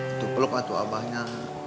itu peluk lah tuh abahnya